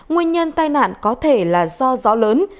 nguyên nhân tai nạn có thể là do gió lớn